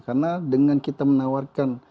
karena dengan kita menawarkan